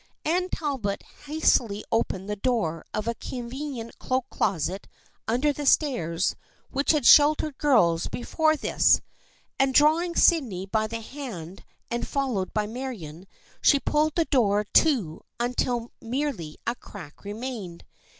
Anne Tal bot hastily opened the door of a convenient cloak closet under the stairs which had sheltered girls before this, and drawing Sydney by the hand and followed by Marion, she pulled the door to until merely a crack remained.